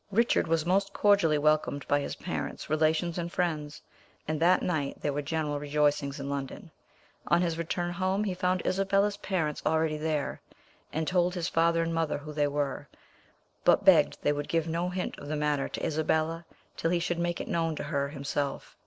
Richard was most cordially welcomed by his parents, relations, and friends, and that night there were general rejoicings in London. On his return home, he found Isabella's parents already there, and told his father and mother who they were, but begged they would give no hint of the matter to Isabella till he should make it known to her himself.